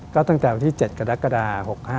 ก็ตั้งแต่วันที่๗กรกฎา๖๕